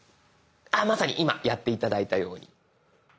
あまさに今やって頂いたように。